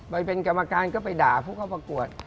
ไปเป็นกรรมการก็ไปด่าผู้เข้าประกวด